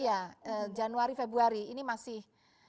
ya januari februari ini masih